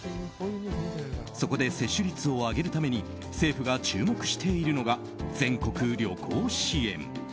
そこで、接種率を上げるために政府が注目しているのが全国旅行支援。